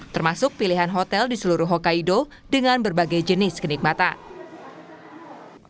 termasuk pilihan hotel di seluruh hokkaido dengan berbagai jenis kenikmatan